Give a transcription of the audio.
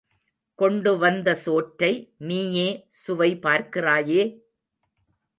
கொண்டு வந்த சோற்றை நீயே சுவை பார்க்கிறாயே?